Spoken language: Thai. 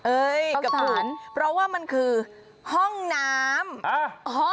เอ้ยกระปุ่นเพราะว่ามันคือห้องน้ำฮะ